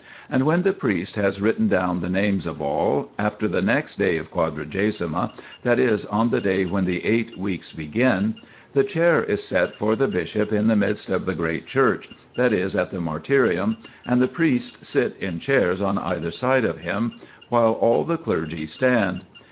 And when the priest has written down the names of all, after the next day of Quadragesima, that is, on the day when the eight weeks begin, the chair is set for the bishop in the midst of the great church, that is, at the martyrium, and the priests sit in chairs on either side of him, while all the clergy stand.